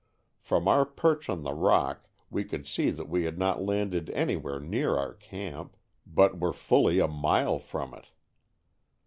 From our perch on the rock we could see that we had not landed anywhere near our camp, but were fully a mile from it.